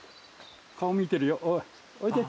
顔見てるよおいおいで。